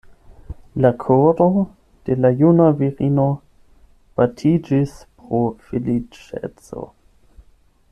La koro de la juna virino batiĝis pro feliĉeco.